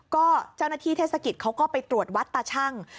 ก็เจ้าหน้าที่เทศกิจเขาก็ไปตรวจวัดตาชั่ง